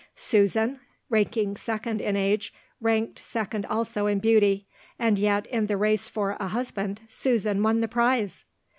Susan, ranking second in age, ranked second also in beauty; and yet, in the race for a husband, Susan won the prize!